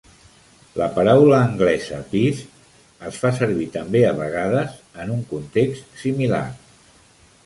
La paraula anglesa "piece" es fa servir també a vegades en un context similar.